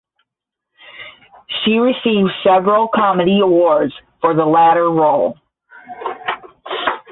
She received several comedy awards for the latter role.